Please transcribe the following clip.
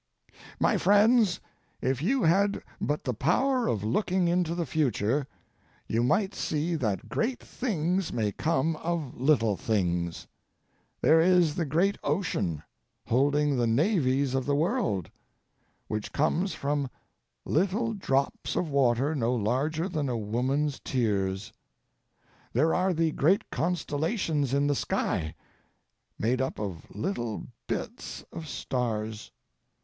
My friends, if you had but the power of looking into the future you might see that great things may come of little things. There is the great ocean, holding the navies of the world, which comes from little drops of water no larger than a woman's tears. There are the great constellations in the sky, made up of little bits of stars.